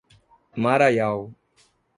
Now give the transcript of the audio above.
Maraial